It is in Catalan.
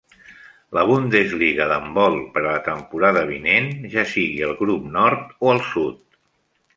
la Bundeslliga d'handbol per a la temporada vinent, ja sigui el grup nord o el sud.